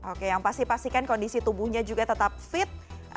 oke yang pasti pastikan kondisi tubuhnya juga tetap fit